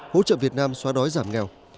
hỗ trợ việt nam xóa đói giảm nghèo